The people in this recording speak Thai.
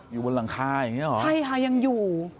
อยู่บนหลังคาอย่างนี้เหรอใช่ค่ะยังอยู่